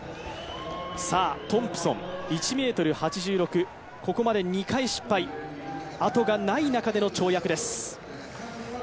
トンプソン、１ｍ８６、ここまで２回目、失敗、あとがない中での跳躍です。